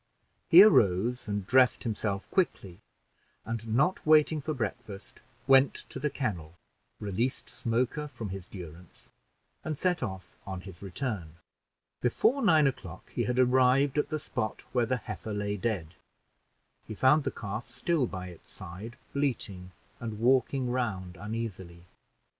He arose and dressed himself quickly, and, not waiting for breakfast, went to the kennel, released Smoker from his durance, and set off on his return. Before nine o'clock, he had arrived at the spot where the heifer lay dead. He found the calf still by its side, bleating and walking round uneasily.